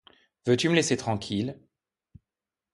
Veux-tu me laisser tranquille ?